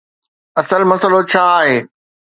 اصل مسئلو ڇا آهي؟